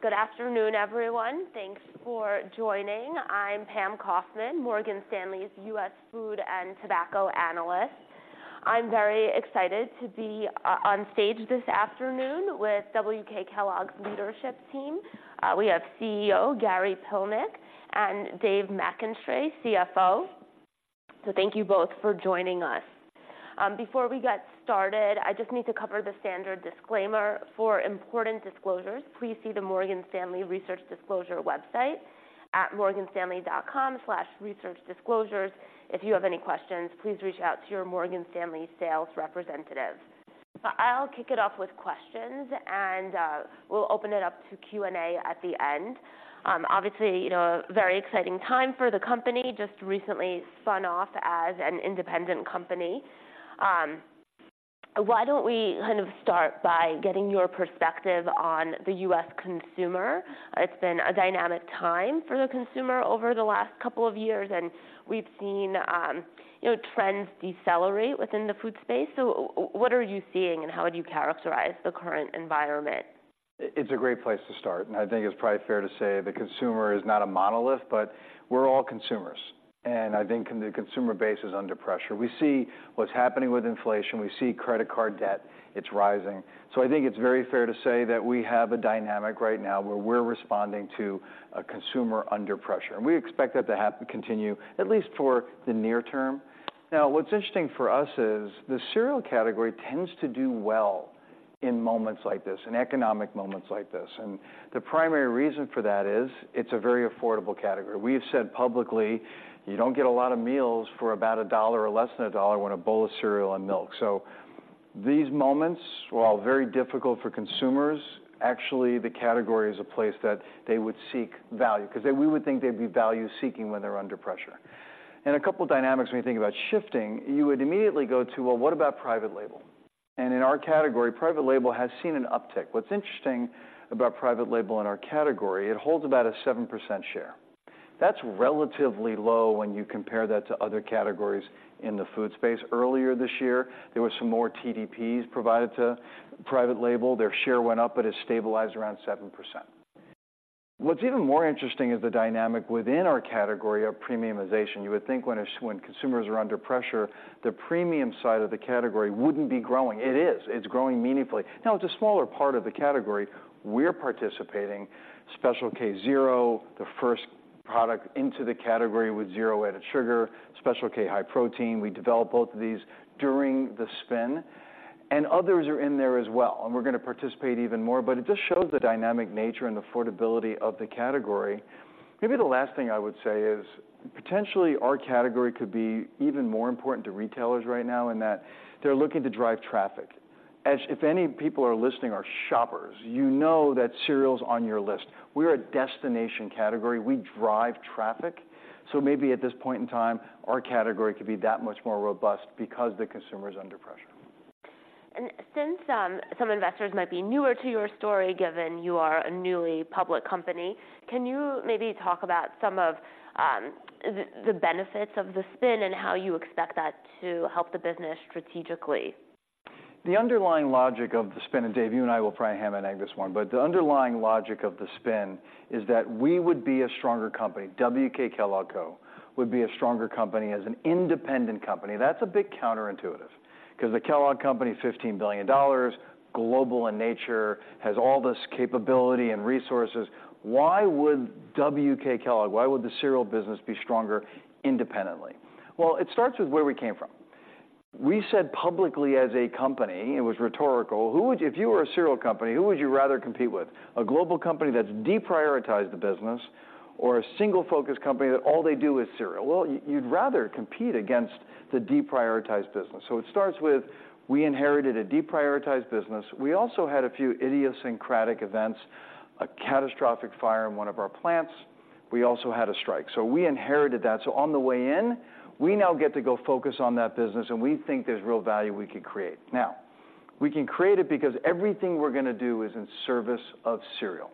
Good afternoon, everyone. Thanks for joining. I'm Pam Kaufman, Morgan Stanley's U.S. Food and Tobacco analyst. I'm very excited to be on stage this afternoon with WK Kellogg's leadership team. We have CEO Gary Pilnick and Dave McKinstray, CFO. So thank you both for joining us. Before we get started, I just need to cover the standard disclaimer. For important disclosures, please see the Morgan Stanley Research Disclosure website at morganstanley.com/researchdisclosures. If you have any questions, please reach out to your Morgan Stanley sales representative. But I'll kick it off with questions, and we'll open it up to Q&A at the end. Obviously, you know, very exciting time for the company, just recently spun off as an independent company. Why don't we kind of start by getting your perspective on the U.S. consumer? It's been a dynamic time for the consumer over the last couple of years, and we've seen, you know, trends decelerate within the food space. So what are you seeing, and how would you characterize the current environment? It's a great place to start, and I think it's probably fair to say the consumer is not a monolith, but we're all consumers, and I think the consumer base is under pressure. We see what's happening with inflation. We see credit card debt. It's rising. So I think it's very fair to say that we have a dynamic right now, where we're responding to a consumer under pressure, and we expect that to happen to continue, at least for the near term. Now, what's interesting for us is the cereal category tends to do well in moments like this, in economic moments like this, and the primary reason for that is it's a very affordable category. We have said publicly, you don't get a lot of meals for about $1 or less than $1 on a bowl of cereal and milk. So these moments, while very difficult for consumers, actually, the category is a place that they would seek value. 'Cause they-- we would think they'd be value-seeking when they're under pressure. And a couple dynamics when you think about shifting, you would immediately go to, "Well, what about private label?" And in our category, private label has seen an uptick. What's interesting about private label in our category, it holds about a 7% share. That's relatively low when you compare that to other categories in the food space. Earlier this year, there were some more TDPs provided to private label. Their share went up, but it stabilized around 7%. What's even more interesting is the dynamic within our category of premiumization. You would think when when consumers are under pressure, the premium side of the category wouldn't be growing. It is. It's growing meaningfully. Now, it's a smaller part of the category. We're participating. Special K Zero, the first product into the category with zero added sugar, Special K High Protein. We developed both of these during the spin, and others are in there as well, and we're gonna participate even more, but it just shows the dynamic nature and affordability of the category. Maybe the last thing I would say is, potentially, our category could be even more important to retailers right now, in that they're looking to drive traffic. As if any people are listening, are shoppers, you know that cereal's on your list. We're a destination category. We drive traffic. So maybe at this point in time, our category could be that much more robust because the consumer is under pressure. And since some investors might be newer to your story, given you are a newly public company, can you maybe talk about some of the benefits of the spin and how you expect that to help the business strategically? The underlying logic of the spin, and Dave, you and I will probably ham and egg this one, but the underlying logic of the spin is that we would be a stronger company. WK Kellogg Co would be a stronger company as an independent company. That's a bit counterintuitive, 'cause the Kellogg Company is $15 billion, global in nature, has all this capability and resources. Why would WK Kellogg, why would the cereal business be stronger independently? Well, it starts with where we came from. We said publicly as a company, it was rhetorical: "Who would you-- if you were a cereal company, who would you rather compete with, a global company that's deprioritized the business or a single-focused company, that all they do is cereal?" Well, you'd rather compete against the deprioritized business. So it starts with, we inherited a deprioritized business. We also had a few idiosyncratic events, a catastrophic fire in one of our plants. We also had a strike, so we inherited that. So on the way in, we now get to go focus on that business, and we think there's real value we could create. Now, we can create it because everything we're gonna do is in service of cereal.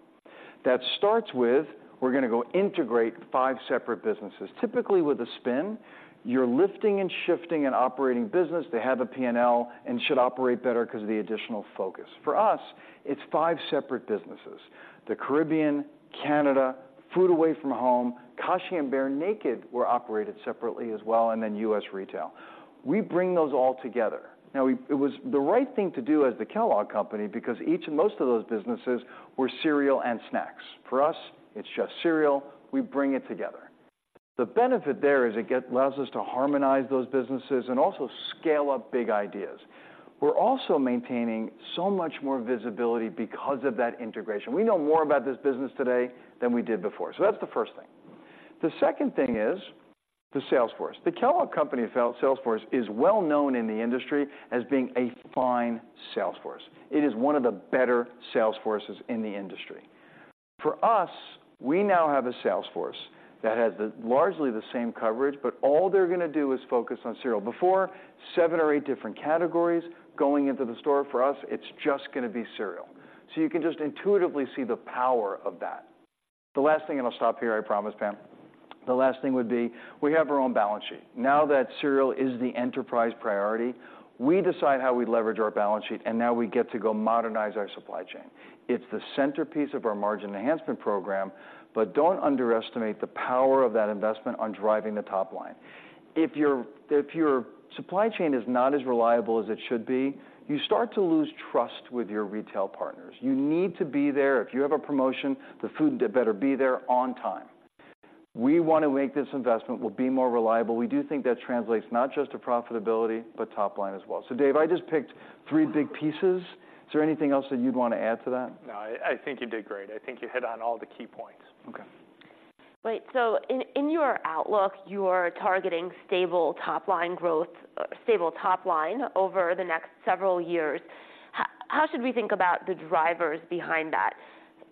That starts with, we're gonna go integrate five separate businesses. Typically, with a spin, you're lifting and shifting an operating business. They have a P&L and should operate better 'cause of the additional focus. For us, it's five separate businesses: the Caribbean, Canada, Food Away from Home, Kashi, and Bear Naked were operated separately as well, and then U.S. Retail. We bring those all together. Now, it was the right thing to do as the Kellogg Company because each and most of those businesses were cereal and snacks. For us, it's just cereal. We bring it together. The benefit there is it allows us to harmonize those businesses and also scale up big ideas. We're also maintaining so much more visibility because of that integration. We know more about this business today than we did before. So that's the first thing. The second thing is the sales force. The Kellogg Company sales force is well known in the industry as being a fine sales force. It is one of the better sales forces in the industry. For us, we now have a sales force that has largely the same coverage, but all they're gonna do is focus on cereal. Before, seven or eight different categories going into the store. For us, it's just gonna be cereal. So you can just intuitively see the power of that. The last thing, and I'll stop here, I promise, Pam. The last thing would be, we have our own balance sheet. Now that cereal is the enterprise priority, we decide how we leverage our balance sheet, and now we get to go modernize our supply chain. It's the centerpiece of our margin enhancement program, but don't underestimate the power of that investment on driving the top line. If your supply chain is not as reliable as it should be, you start to lose trust with your retail partners. You need to be there. If you have a promotion, the food better be there on time. We want to make this investment. We'll be more reliable. We do think that translates not just to profitability, but top line as well. Dave, I just picked three big pieces. Is there anything else that you'd want to add to that? No, I think you did great. I think you hit on all the key points. Okay. Right. So in your outlook, you are targeting stable top line growth, stable top line over the next several years. How should we think about the drivers behind that?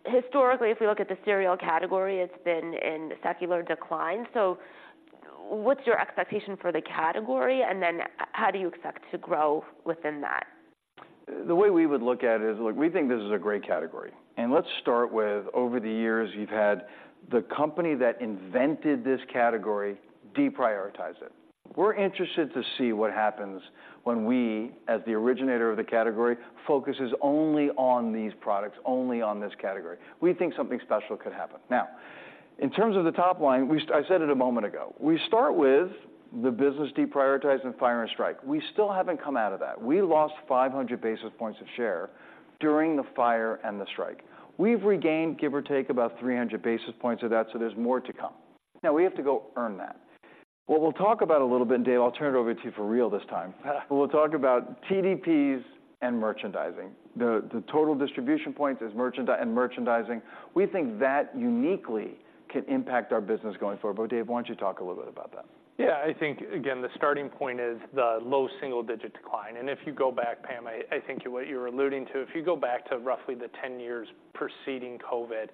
Historically, if we look at the cereal category, it's been in secular decline. So what's your expectation for the category, and then how do you expect to grow within that? The way we would look at it is, look, we think this is a great category, and let's start with over the years, you've had the company that invented this category, deprioritize it. We're interested to see what happens when we, as the originator of the category, focuses only on these products, only on this category. We think something special could happen. Now, in terms of the top line, we—I said it a moment ago. We start with the business deprioritized and fire and strike. We still haven't come out of that. We lost 500 basis points of share during the fire and the strike. We've regained, give or take, about 300 basis points of that, so there's more to come. Now, we have to go earn that. What we'll talk about a little bit, and Dave, I'll turn it over to you for real this time. We'll talk about TDPs and merchandising. The total distribution points and merchandising, we think that uniquely can impact our business going forward. But Dave, why don't you talk a little bit about that? Yeah, I think, again, the starting point is the low single-digit decline. And if you go back, Pam, I think what you're alluding to, if you go back to roughly the 10 years preceding COVID,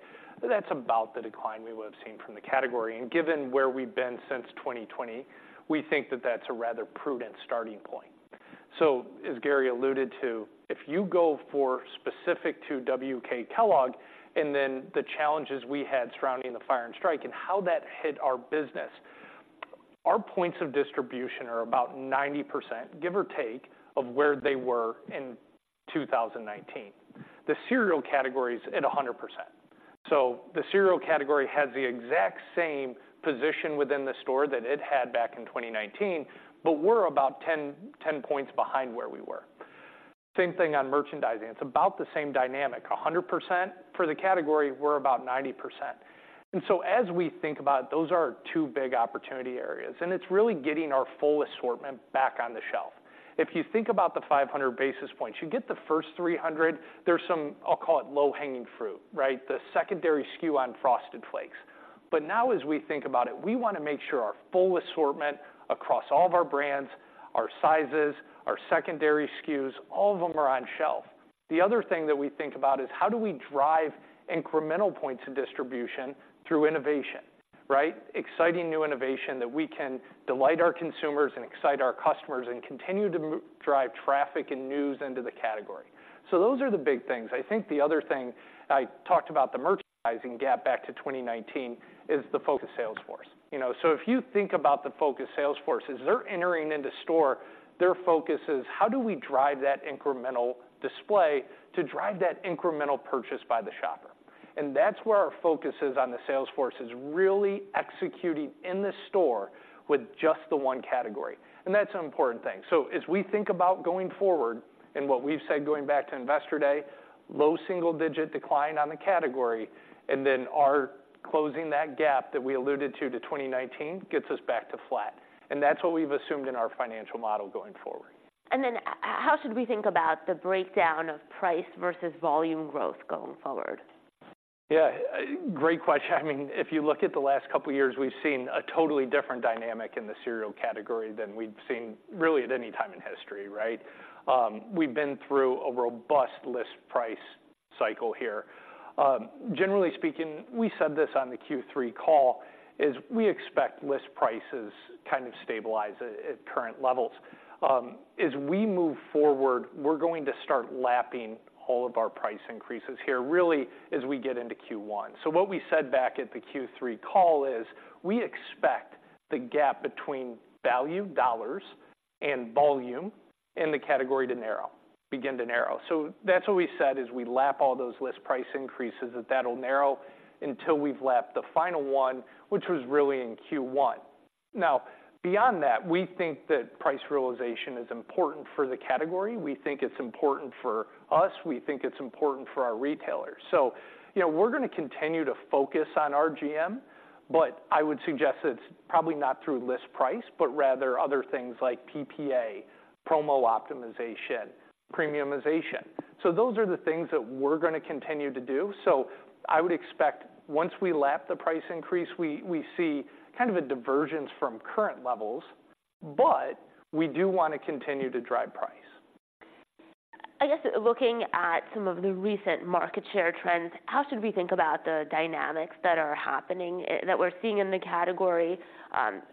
that's about the decline we would have seen from the category. And given where we've been since 2020, we think that that's a rather prudent starting point. So as Gary alluded to, if you go for specific to WK Kellogg, and then the challenges we had surrounding the fire and strike and how that hit our business, our points of distribution are about 90%, give or take, of where they were in 2019. The cereal category is at 100%. So the cereal category has the exact same position within the store that it had back in 2019, but we're about 10 points behind where we were. Same thing on merchandising. It's about the same dynamic, 100%. For the category, we're about 90%. And so as we think about it, those are two big opportunity areas, and it's really getting our full assortment back on the shelf. If you think about the 500 basis points, you get the first 300, there's some, I'll call it, low-hanging fruit, right? The secondary SKU on Frosted Flakes. But now, as we think about it, we want to make sure our full assortment across all of our brands, our sizes, our secondary SKUs, all of them are on shelf. The other thing that we think about is: how do we drive incremental points of distribution through innovation, right? Exciting new innovation that we can delight our consumers and excite our customers and continue to drive traffic and news into the category. So those are the big things. I think the other thing, I talked about the merchandising gap back to 2019, is the focus sales force. You know, so if you think about the focus sales force, as they're entering into store, their focus is: how do we drive that incremental display to drive that incremental purchase by the shopper? And that's where our focus is on the sales force, is really executing in the store with just the one category. And that's an important thing. So as we think about going forward and what we've said, going back to Investor Day, low single-digit decline on the category, and then our closing that gap that we alluded to, to 2019, gets us back to flat. And that's what we've assumed in our financial model going forward. How should we think about the breakdown of price versus volume growth going forward? Yeah, great question. I mean, if you look at the last couple of years, we've seen a totally different dynamic in the cereal category than we've seen really at any time in history, right? We've been through a robust list price cycle here. Generally speaking, we said this on the Q3 call, is we expect list prices to kind of stabilize at, at current levels. As we move forward, we're going to start lapping all of our price increases here, really, as we get into Q1. So what we said back at the Q3 call is, we expect the gap between value, dollars, and volume in the category to narrow, begin to narrow. So that's what we said, as we lap all those list price increases, that that'll narrow until we've lapped the final one, which was really in Q1. Now, beyond that, we think that price realization is important for the category. We think it's important for us. We think it's important for our retailers. So, you know, we're gonna continue to focus on RGM, but I would suggest it's probably not through list price, but rather other things like PPA, promo optimization, premiumization. So those are the things that we're gonna continue to do. So I would expect once we lap the price increase, we see kind of a divergence from current levels, but we do want to continue to drive price. I guess, looking at some of the recent market share trends, how should we think about the dynamics that are happening, that we're seeing in the category?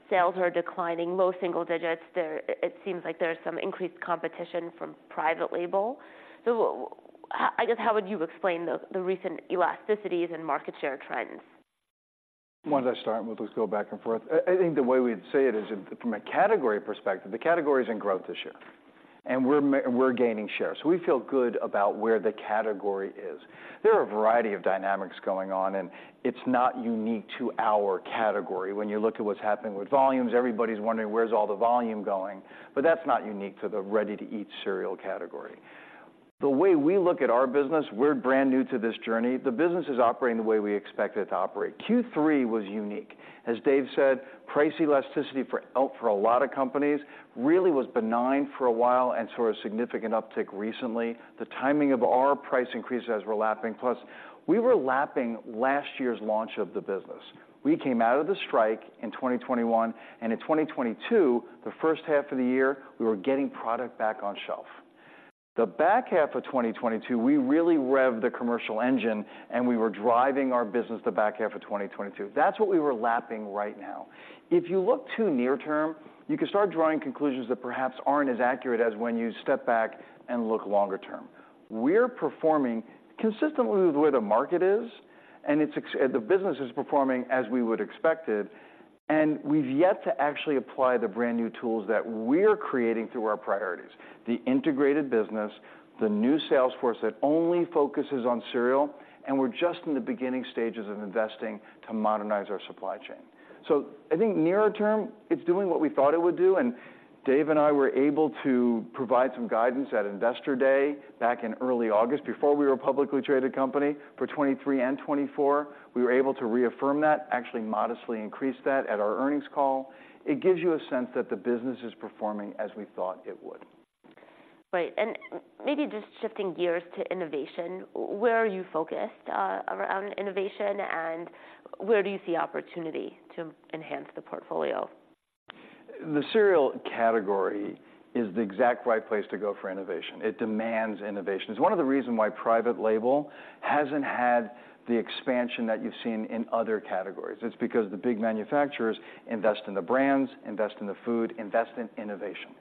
Sales are declining, low single digits. It seems like there's some increased competition from private label. So how, I guess, how would you explain the recent elasticities and market share trends? Why don't I start, and we'll just go back and forth? I think the way we'd say it is, from a category perspective, the category is in growth this year, and we're gaining share. So we feel good about where the category is. There are a variety of dynamics going on, and it's not unique to our category. When you look at what's happening with volumes, everybody's wondering: where's all the volume going? But that's not unique to the ready-to-eat cereal category. The way we look at our business, we're brand new to this journey. The business is operating the way we expect it to operate. Q3 was unique. As Dave said, price elasticity for a lot of companies, really was benign for a while and saw a significant uptick recently. The timing of our price increases as we're lapping, plus we were lapping last year's launch of the business. We came out of the strike in 2021, and in 2022, the first half of the year, we were getting product back on shelf. The back half of 2022, we really revved the commercial engine, and we were driving our business the back half of 2022. That's what we were lapping right now. If you look too near term, you can start drawing conclusions that perhaps aren't as accurate as when you step back and look longer term. We're performing consistently with where the market is, and the business is performing as we would expect it, and we've yet to actually apply the brand-new tools that we're creating through our priorities: the integrated business, the new sales force that only focuses on cereal, and we're just in the beginning stages of investing to modernize our supply chain. So I think nearer term, it's doing what we thought it would do, and Dave and I were able to provide some guidance at Investor Day back in early August, before we were a publicly traded company. For 2023 and 2024, we were able to reaffirm that, actually modestly increase that at our earnings call. It gives you a sense that the business is performing as we thought it would. Right, and maybe just shifting gears to innovation, where are you focused around innovation, and where do you see opportunity to enhance the portfolio? The cereal category is the exact right place to go for innovation. It demands innovation. It's one of the reasons why private label hasn't had the expansion that you've seen in other categories. It's because the big manufacturers invest in the brands, invest in the food, invest in innovation.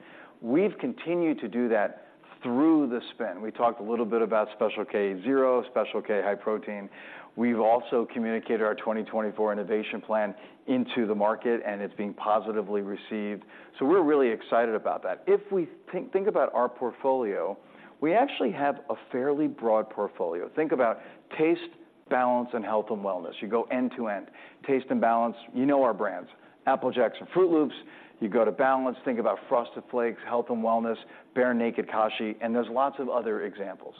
We've continued to do that through the spin. We talked a little bit about Special K Zero, Special K High Protein. We've also communicated our 2024 innovation plan into the market, and it's being positively received, so we're really excited about that. If we think about our portfolio, we actually have a fairly broad portfolio. Think about taste, balance, and health and wellness. You go end to end. Taste and balance, you know our brands, Apple Jacks and Froot Loops. You go to balance, think about Frosted Flakes, health and wellness, Bear Naked, Kashi, and there's lots of other examples.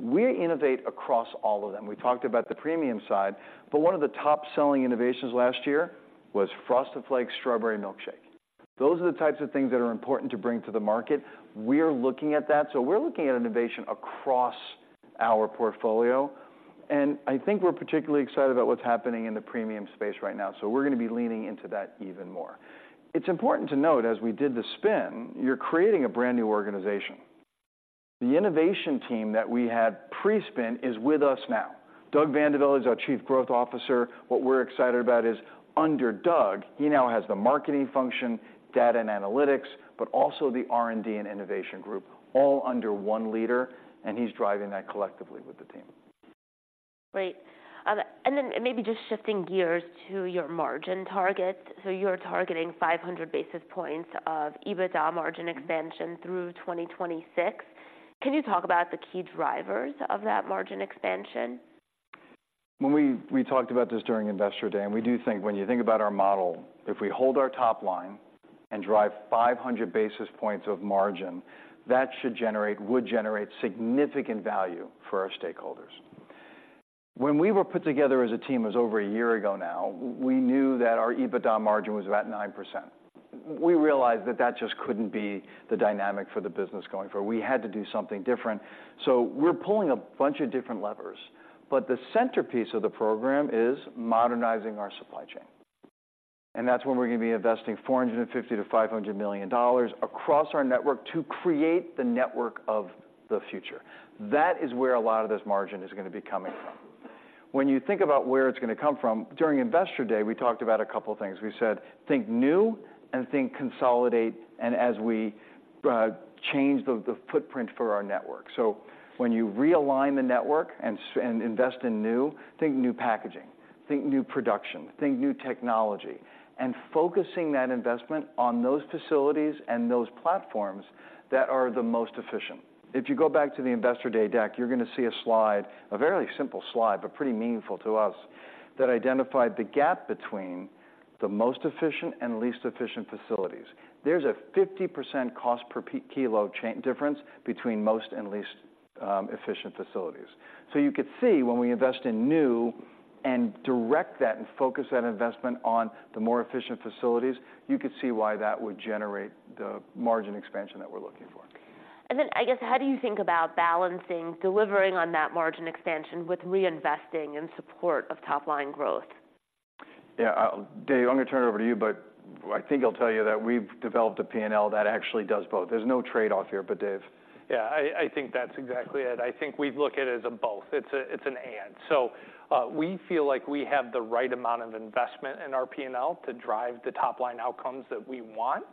We innovate across all of them. We talked about the premium side, but one of the top-selling innovations last year was Frosted Flakes Strawberry Milkshake. Those are the types of things that are important to bring to the market. We're looking at that. So we're looking at innovation across our portfolio, and I think we're particularly excited about what's happening in the premium space right now, so we're going to be leaning into that even more. It's important to note, as we did the spin, you're creating a brand-new organization. The innovation team that we had pre-spin is with us now. Doug VanDeVelde is our Chief Growth Officer. What we're excited about is, under Doug, he now has the marketing function, data and analytics, but also the R&D and innovation group, all under one leader, and he's driving that collectively with the team. Great. And then maybe just shifting gears to your margin target. So you're targeting 500 basis points of EBITDA margin expansion through 2026. Can you talk about the key drivers of that margin expansion? When we talked about this during Investor Day, and we do think when you think about our model, if we hold our top line and drive 500 basis points of margin, that should generate, would generate significant value for our stakeholders. When we were put together as a team, it was over a year ago now, we knew that our EBITDA margin was about 9%. We realized that that just couldn't be the dynamic for the business going forward. We had to do something different, so we're pulling a bunch of different levers. But the centerpiece of the program is modernizing our supply chain, and that's when we're going to be investing $450 million-$500 million across our network to create the network of the future. That is where a lot of this margin is going to be coming from. When you think about where it's going to come from, during Investor Day, we talked about a couple of things. We said, "Think new and think consolidate," and as we change the footprint for our network. So when you realign the network and invest in new, think new packaging, think new production, think new technology, and focusing that investment on those facilities and those platforms that are the most efficient. If you go back to the Investor Day deck, you're going to see a slide, a very simple slide, but pretty meaningful to us, that identified the gap between the most efficient and least efficient facilities. There's a 50% cost per kilo chain difference between most and least efficient facilities. You could see when we invest in new and direct that and focus that investment on the more efficient facilities, you could see why that would generate the margin expansion that we're looking for. And then, I guess, how do you think about balancing delivering on that margin expansion with reinvesting in support of top-line growth? Yeah, I'll, Dave, I'm going to turn it over to you, but I think I'll tell you that we've developed a P&L that actually does both. There's no trade-off here, but Dave? Yeah, I think that's exactly it. I think we look at it as a both. It's a, it's an and. So, we feel like we have the right amount of investment in our P&L to drive the top-line outcomes that we want,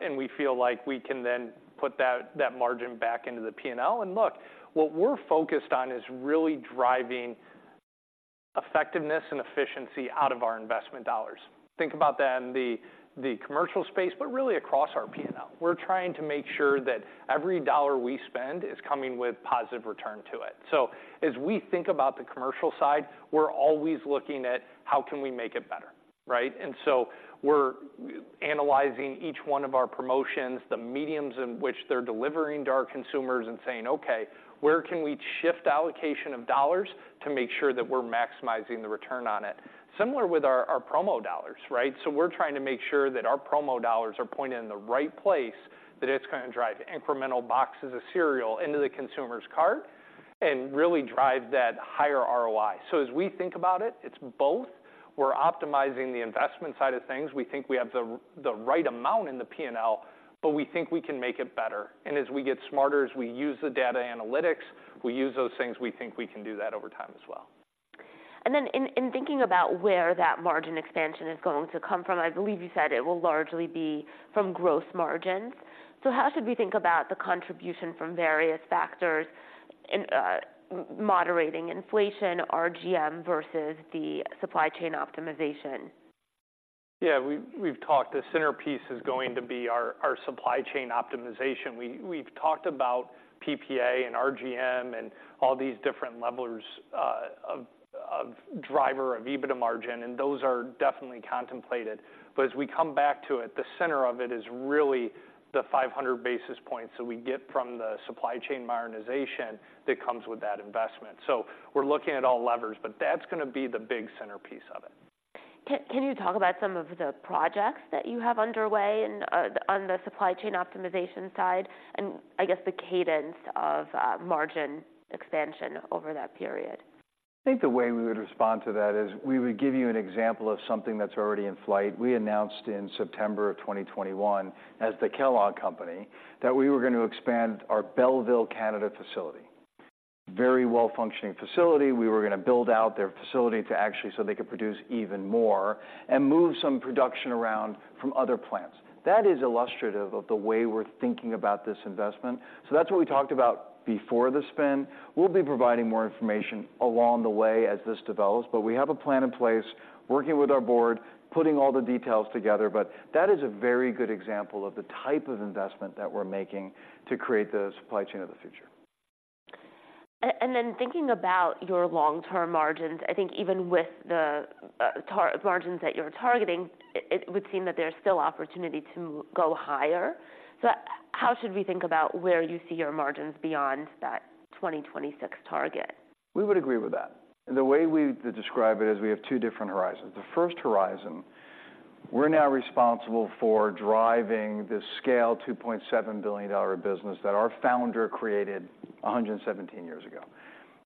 and we feel like we can then put that, that margin back into the P&L. And look, what we're focused on is really driving effectiveness and efficiency out of our investment dollars. Think about that in the commercial space, but really across our P&L. We're trying to make sure that every dollar we spend is coming with positive return to it. So as we think about the commercial side, we're always looking at: How can we make it better, right? And so we're analyzing each one of our promotions, the mediums in which they're delivering to our consumers, and saying, "Okay, where can we shift allocation of dollars to make sure that we're maximizing the return on it?" Similar with our promo dollars, right? So we're trying to make sure that our promo dollars are pointed in the right place, that it's gonna drive incremental boxes of cereal into the consumer's cart and really drive that higher ROI. So as we think about it, it's both. We're optimizing the investment side of things. We think we have the right amount in the P&L, but we think we can make it better. And as we get smarter, as we use the data analytics, we use those things, we think we can do that over time as well. And then in thinking about where that margin expansion is going to come from, I believe you said it will largely be from gross margins. So how should we think about the contribution from various factors in moderating inflation, RGM, versus the supply chain optimization? Yeah, we've talked, the centerpiece is going to be our supply chain optimization. We've talked about PPA and RGM and all these different levers of drivers of EBITDA margin, and those are definitely contemplated. But as we come back to it, the center of it is really the 500 basis points that we get from the supply chain modernization that comes with that investment. So we're looking at all levers, but that's gonna be the big centerpiece of it. Can you talk about some of the projects that you have underway in on the supply chain optimization side, and I guess, the cadence of margin expansion over that period? I think the way we would respond to that is, we would give you an example of something that's already in flight. We announced in September 2021, as the Kellogg Company, that we were going to expand our Belleville, Canada, facility. Very well-functioning facility. We were gonna build out their facility to actually, so they could produce even more and move some production around from other plants. That is illustrative of the way we're thinking about this investment. So that's what we talked about before the spin. We'll be providing more information along the way as this develops, but we have a plan in place, working with our board, putting all the details together. But that is a very good example of the type of investment that we're making to create the supply chain of the future. And then thinking about your long-term margins, I think even with the target margins that you're targeting, it would seem that there's still opportunity to go higher. So how should we think about where you see your margins beyond that 2026 target? We would agree with that. The way we describe it is, we have two different horizons. The first horizon, we're now responsible for driving this scale, $2.7 billion business that our founder created 117 years ago.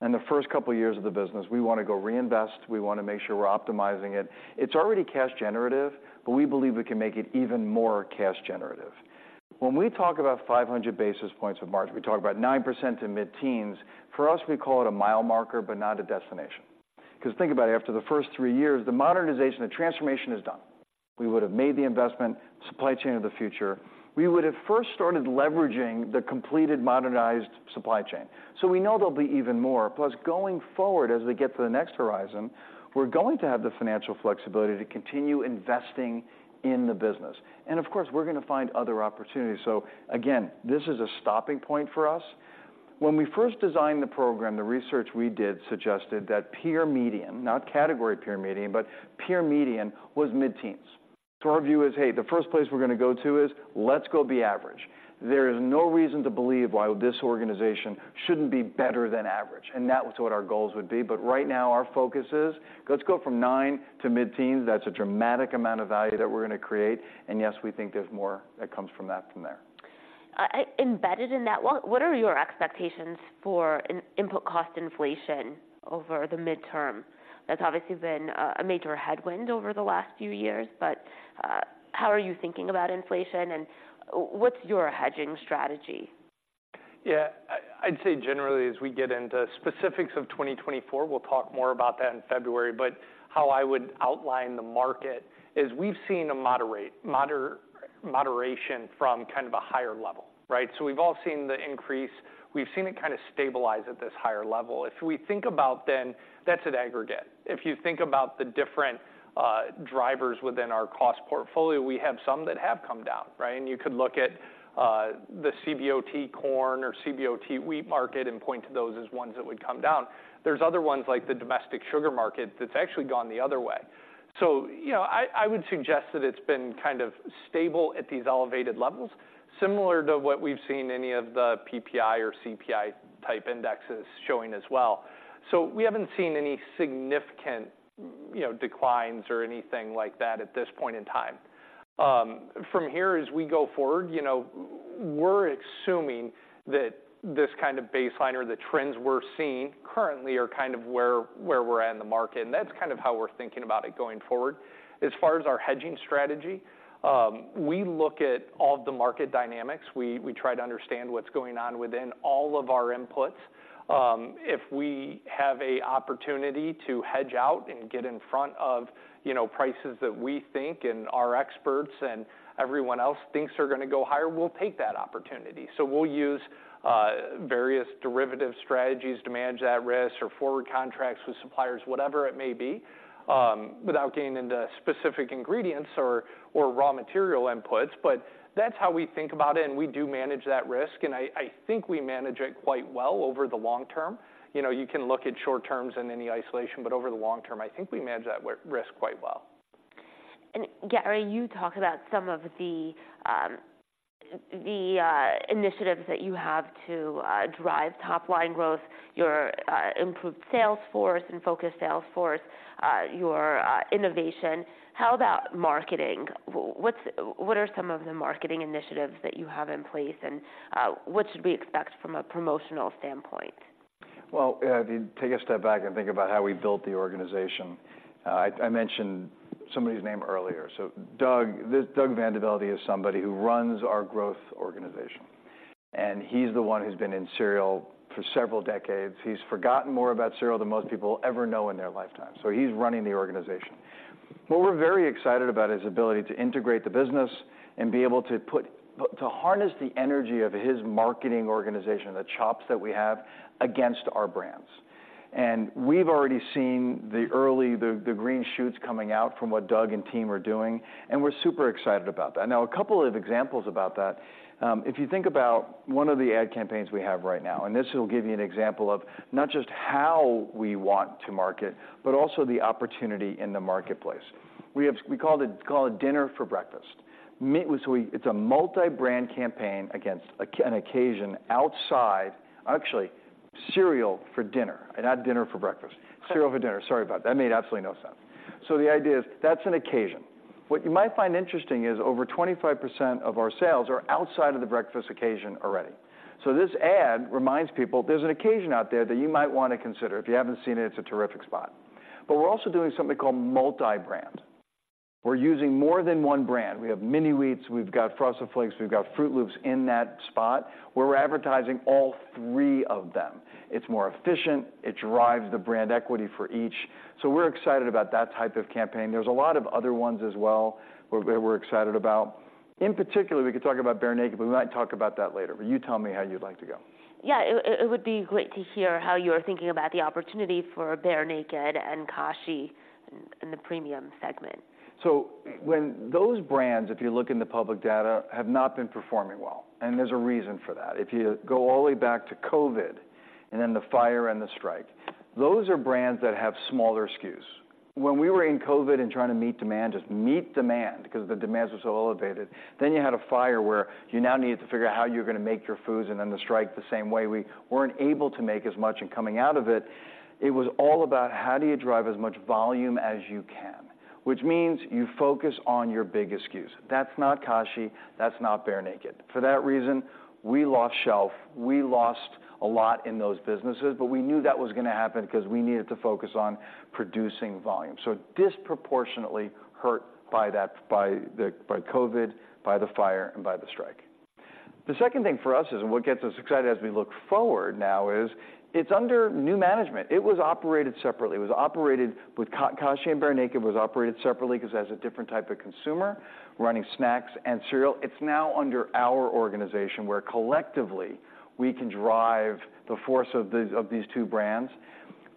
In the first couple years of the business, we want to go reinvest. We want to make sure we're optimizing it. It's already cash generative, but we believe we can make it even more cash generative. When we talk about 500 basis points of margin, we talk about 9% to mid-teens. For us, we call it a mile marker, but not a destination. Because think about it, after the first three years, the modernization, the transformation is done. We would've made the investment, supply chain of the future. We would've first started leveraging the completed modernized supply chain. So we know there'll be even more, plus going forward, as we get to the next horizon, we're going to have the financial flexibility to continue investing in the business. And of course, we're gonna find other opportunities. So again, this is a stopping point for us. When we first designed the program, the research we did suggested that peer median, not category peer median, but peer median, was mid-teens. So our view is, hey, the first place we're gonna go to is, let's go be average. There is no reason to believe why this organization shouldn't be better than average, and that was what our goals would be. But right now, our focus is, let's go from 9% to mid-teens. That's a dramatic amount of value that we're gonna create, and yes, we think there's more that comes from that from there. Embedded in that, what are your expectations for an input cost inflation over the midterm? That's obviously been a major headwind over the last few years, but how are you thinking about inflation, and what's your hedging strategy? Yeah, I'd say generally, as we get into specifics of 2024, we'll talk more about that in February. But how I would outline the market is, we've seen a moderate moderation from kind of a higher level, right? So we've all seen the increase. We've seen it kind of stabilize at this higher level. If we think about then, that's an aggregate. If you think about the different drivers within our cost portfolio, we have some that have come down, right? And you could look at the CBOT corn or CBOT wheat market and point to those as ones that would come down. There's other ones, like the domestic sugar market, that's actually gone the other way. So, you know, I would suggest that it's been kind of stable at these elevated levels, similar to what we've seen any of the PPI or CPI-type indexes showing as well. So we haven't seen any significant, you know, declines or anything like that at this point in time. From here, as we go forward, you know, we're assuming that this kind of baseline or the trends we're seeing currently are kind of where, where we're at in the market, and that's kind of how we're thinking about it going forward. As far as our hedging strategy, we look at all the market dynamics. We, we try to understand what's going on within all of our inputs. If we have a opportunity to hedge out and get in front of, you know, prices that we think and our experts and everyone else thinks are gonna go higher, we'll take that opportunity. So we'll use various derivative strategies to manage that risk or forward contracts with suppliers, whatever it may be, without getting into specific ingredients or raw material inputs. But that's how we think about it, and we do manage that risk, and I think we manage it quite well over the long term. You know, you can look at short terms in any isolation, but over the long term, I think we manage that risk quite well. Gary, you talked about some of the initiatives that you have to drive top-line growth, your improved sales force and focused sales force, your innovation. How about marketing? What are some of the marketing initiatives that you have in place, and what should we expect from a promotional standpoint? Well, if you take a step back and think about how we built the organization, I mentioned somebody's name earlier. So Doug, this Doug VanDeVelde, is somebody who runs our growth organization, and he's the one who's been in cereal for several decades. He's forgotten more about cereal than most people will ever know in their lifetime, so he's running the organization. But we're very excited about his ability to integrate the business and be able to put, to harness the energy of his marketing organization, the chops that we have, against our brands. And we've already seen the early, the green shoots coming out from what Doug and team are doing, and we're super excited about that. Now, a couple of examples about that. If you think about one of the ad campaigns we have right now, and this will give you an example of not just how we want to market, but also the opportunity in the marketplace. We call it Dinner for Breakfast. It's a multi-brand campaign against an occasion outside. Actually, Cereal for Dinner and not Dinner for Breakfast. Cereal for Dinner. Sorry about that. That made absolutely no sense. So the idea is, that's an occasion. What you might find interesting is over 25% of our sales are outside of the breakfast occasion already. So this ad reminds people there's an occasion out there that you might want to consider. If you haven't seen it, it's a terrific spot. But we're also doing something called multi-brand. We're using more than one brand. We have Mini-Wheats, we've got Frosted Flakes, we've got Froot Loops in that spot, where we're advertising all three of them. It's more efficient. It drives the brand equity for each. So we're excited about that type of campaign. There's a lot of other ones as well, where we're excited about. In particular, we could talk about Bear Naked, but we might talk about that later. But you tell me how you'd like to go. Yeah, it would be great to hear how you're thinking about the opportunity for Bear Naked and Kashi in the premium segment. So when those brands, if you look in the public data, have not been performing well, and there's a reason for that. If you go all the way back to COVID, and then the fire and the strike, those are brands that have smaller SKUs. When we were in COVID and trying to meet demand, just meet demand, because the demands were so elevated, then you had a fire where you now needed to figure out how you're going to make your foods, and then the strike the same way. We weren't able to make as much, and coming out of it, it was all about how do you drive as much volume as you can, which means you focus on your biggest SKUs. That's not Kashi. That's not Bear Naked. For that reason, we lost shelf. We lost a lot in those businesses, but we knew that was going to happen because we needed to focus on producing volume, so disproportionately hurt by that, by COVID, by the fire, and by the strike. The second thing for us is, and what gets us excited as we look forward now is, it's under new management. It was operated separately. It was operated with Kashi and Bear Naked, was operated separately because it has a different type of consumer, running snacks and cereal. It's now under our organization, where collectively we can drive the force of these, of these two brands.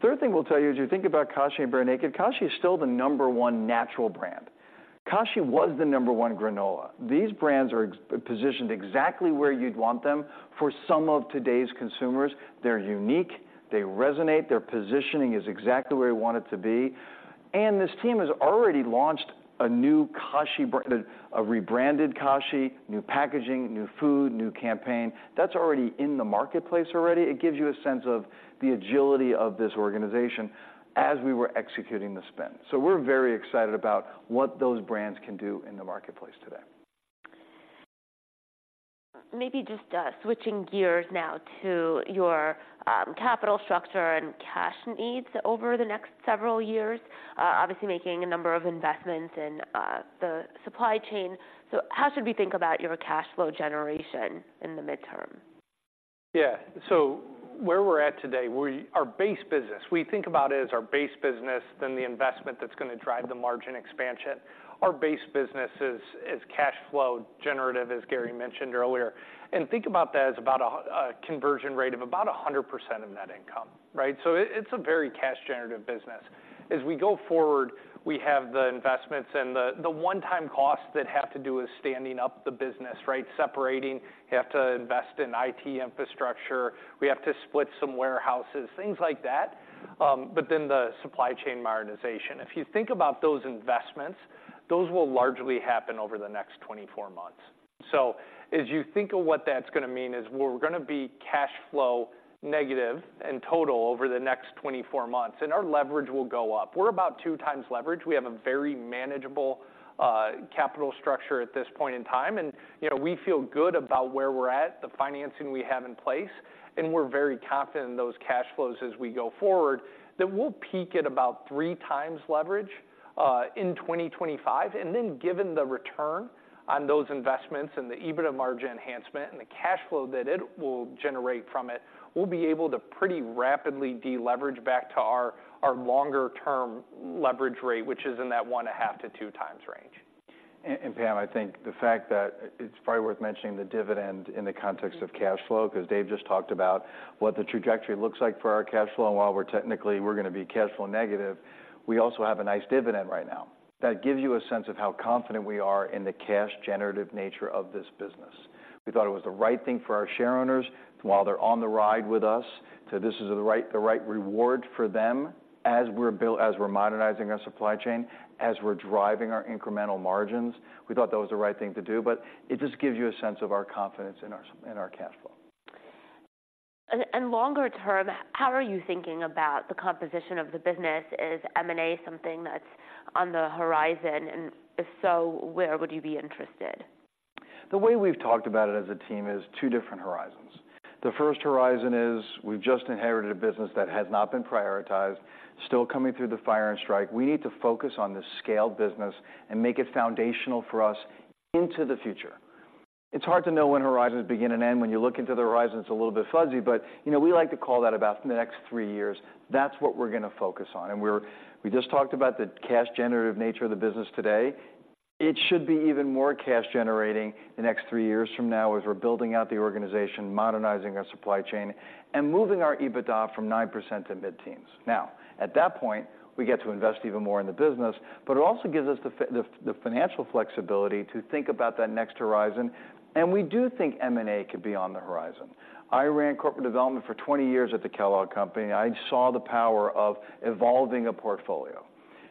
Third thing we'll tell you, as you think about Kashi and Bear Naked, Kashi is still the number one natural brand. Kashi was the number one granola. These brands are positioned exactly where you'd want them for some of today's consumers. They're unique. They resonate. Their positioning is exactly where we want it to be. This team has already launched a rebranded Kashi, new packaging, new food, new campaign. That's already in the marketplace already. It gives you a sense of the agility of this organization as we were executing the spend. We're very excited about what those brands can do in the marketplace today. Maybe just switching gears now to your capital structure and cash needs over the next several years. Obviously, making a number of investments in the supply chain. How should we think about your cash flow generation in the midterm? Yeah. So where we're at today, our base business, we think about it as our base business, then the investment that's going to drive the margin expansion. Our base business is cash flow generative, as Gary mentioned earlier. And think about that as about a conversion rate of about 100% of net income, right? So it, it's a very cash generative business. As we go forward, we have the investments and the one-time costs that have to do with standing up the business, right? Separating, you have to invest in IT, infrastructure. We have to split some warehouses, things like that, but then the supply chain modernization. If you think about those investments, those will largely happen over the next 24 months. So as you think of what that's gonna mean is we're gonna be cash flow negative in total over the next 24 months, and our leverage will go up. We're about 2x leverage. We have a very manageable, capital structure at this point in time, and, you know, we feel good about where we're at, the financing we have in place, and we're very confident in those cash flows as we go forward, that we'll peak at about 3x leverage, in 2025. And then, given the return on those investments and the EBITDA margin enhancement and the cash flow that it will generate from it, we'll be able to pretty rapidly deleverage back to our longer-term leverage rate, which is in that 1.5-2x range. Pam, I think the fact that it's probably worth mentioning the dividend in the context of cash flow, because Dave just talked about what the trajectory looks like for our cash flow. While we're technically gonna be cash flow negative, we also have a nice dividend right now. That gives you a sense of how confident we are in the cash generative nature of this business. We thought it was the right thing for our shareowners while they're on the ride with us. This is the right reward for them as we're modernizing our supply chain, as we're driving our incremental margins. We thought that was the right thing to do, but it just gives you a sense of our confidence in our cash flow. Longer term, how are you thinking about the composition of the business? Is M&A something that's on the horizon? And if so, where would you be interested? The way we've talked about it as a team is two different horizons. The first horizon is we've just inherited a business that has not been prioritized, still coming through the fire and strike. We need to focus on the scaled business and make it foundational for us into the future. It's hard to know when horizons begin and end. When you look into the horizon, it's a little bit fuzzy, but, you know, we like to call that about the next three years. That's what we're gonna focus on, and we just talked about the cash generative nature of the business today. It should be even more cash generating the next three years from now, as we're building out the organization, modernizing our supply chain, and moving our EBITDA from 9% to mid-teens. Now, at that point, we get to invest even more in the business, but it also gives us the financial flexibility to think about that next horizon, and we do think M&A could be on the horizon. I ran corporate development for 20 years at the Kellogg Company. I saw the power of evolving a portfolio.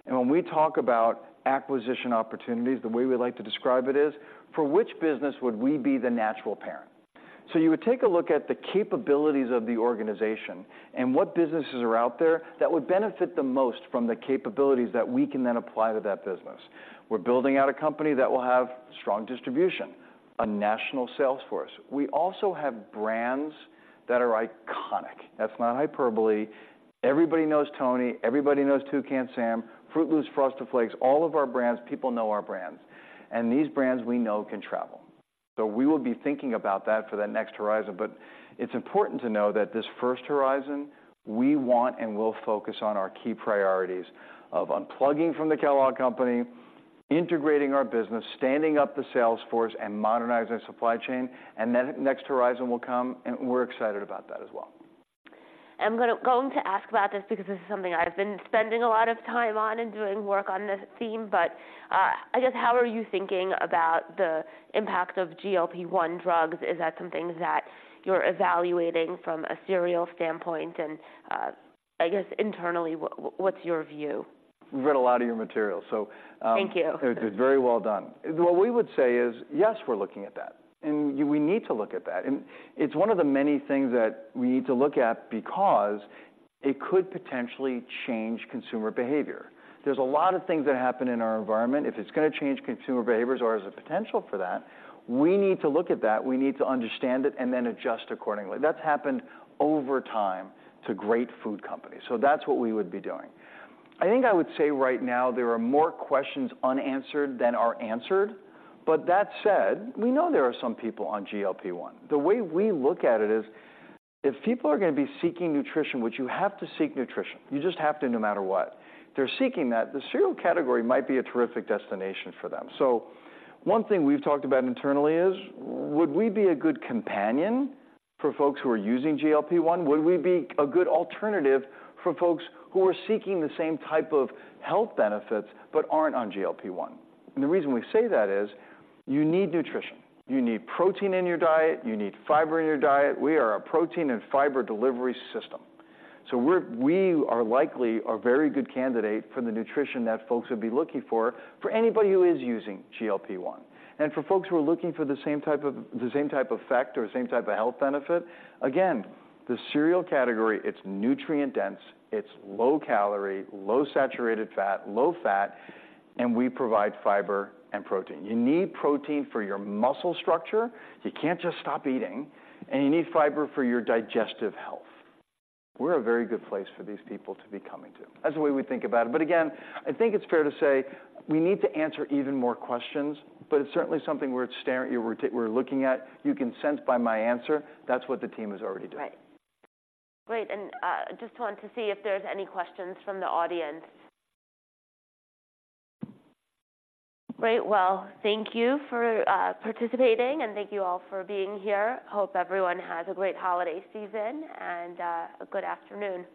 And when we talk about acquisition opportunities, the way we like to describe it is, for which business would we be the natural parent? So you would take a look at the capabilities of the organization and what businesses are out there that would benefit the most from the capabilities that we can then apply to that business. We're building out a company that will have strong distribution, a national sales force. We also have brands that are iconic. That's not hyperbole. Everybody knows Tony, everybody knows Toucan Sam, Froot Loops, Frosted Flakes, all of our brands, people know our brands, and these brands we know can travel. So we will be thinking about that for that next horizon. But it's important to know that this first horizon, we want and will focus on our key priorities of unplugging from the Kellogg Company, integrating our business, standing up the sales force, and modernizing our supply chain. And then the next horizon will come, and we're excited about that as well. I'm going to ask about this because this is something I've been spending a lot of time on and doing work on this theme, but, I guess, how are you thinking about the impact of GLP-1 drugs? Is that something that you're evaluating from a cereal standpoint? And, I guess internally, what's your view? We've read a lot of your materials, so— Thank you. It's very well done. What we would say is, yes, we're looking at that, and we need to look at that. And it's one of the many things that we need to look at because it could potentially change consumer behavior. There's a lot of things that happen in our environment. If it's gonna change consumer behaviors or has the potential for that, we need to look at that, we need to understand it, and then adjust accordingly. That's happened over time to great food companies, so that's what we would be doing. I think I would say right now there are more questions unanswered than are answered, but that said, we know there are some people on GLP-1. The way we look at it is, if people are gonna be seeking nutrition, which you have to seek nutrition, you just have to, no matter what. If they're seeking that, the cereal category might be a terrific destination for them. So one thing we've talked about internally is, would we be a good companion for folks who are using GLP-1? Would we be a good alternative for folks who are seeking the same type of health benefits but aren't on GLP-1? And the reason we say that is you need nutrition. You need protein in your diet. You need fiber in your diet. We are a protein and fiber delivery system. So we are likely a very good candidate for the nutrition that folks would be looking for, for anybody who is using GLP-1. For folks who are looking for the same type of effect or the same type of health benefit, again, the cereal category, it's nutrient-dense, it's low calorie, low saturated fat, low fat, and we provide fiber and protein. You need protein for your muscle structure. You can't just stop eating, and you need fiber for your digestive health. We're a very good place for these people to be coming to. That's the way we think about it. But again, I think it's fair to say we need to answer even more questions, but it's certainly something we're looking at. You can sense by my answer, that's what the team is already doing. Right. Great, and just wanted to see if there's any questions from the audience. Great, well, thank you for participating, and thank you all for being here. Hope everyone has a great holiday season, and a good afternoon.